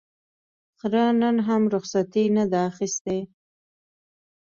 خره نن هم رخصتي نه ده اخیستې.